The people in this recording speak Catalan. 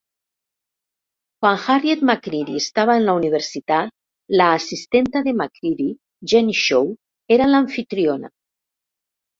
Quan Harriet McCreary estava en la universitat, la assistenta de McCreary, Jennie Shaw, era l'amfitriona.